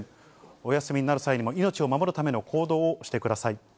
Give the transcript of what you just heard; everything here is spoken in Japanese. お休みになる際にも命を守る行動をしてください。